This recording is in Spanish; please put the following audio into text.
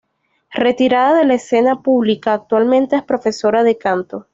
Retirada de la escena pública actualmente es profesora de canto.